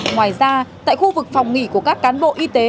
ngoài ra tại khu vực phòng nghỉ của các cán bộ y tế